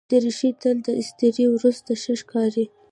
دریشي تل له استري وروسته ښه ښکاري.